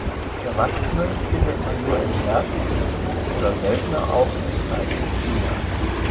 Erwachsene findet man nur im Herbst oder seltener auch im zeitigen Frühjahr.